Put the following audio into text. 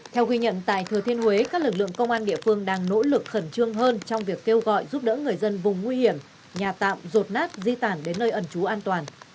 theo ghi nhận tại thừa thiên huế các lực lượng công an địa phương đang nỗ lực khẩn trương hơn trong việc kêu gọi giúp đỡ người dân vùng nguy hiểm nhà tạm rột nát di tản đến nơi ẩn trú an toàn